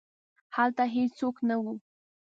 هلته هیڅوک نه وو.